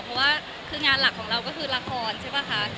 เพราะว่าคืองานหลักของเราก็คือละครใช่ป่ะคะ